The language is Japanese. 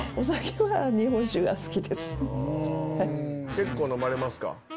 結構飲まれますか？